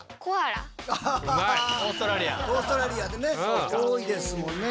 オーストラリアでね多いですもんね。